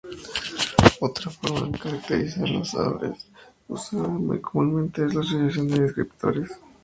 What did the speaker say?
Otra forma de caracterizar los olores usada muy comúnmente es la asociación de descriptores.